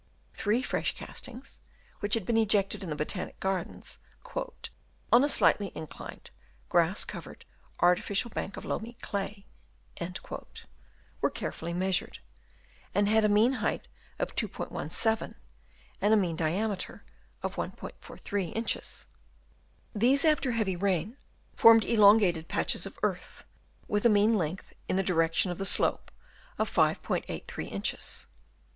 Three fresh castings, which had been ejected in the Botanic Gardens "on a slightly inclined, grass " covered, artificial bank of loamy clay," were carefully measured, and had a mean height of 2*17, and a mean diameter of 1*43 inches ; these after heavy rain, formed elongated patches of earth, with a mean length in the direction of the slope of 5*83 inches.